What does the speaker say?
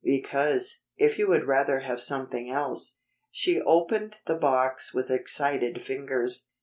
Because, if you would rather have something else " She opened the box with excited fingers.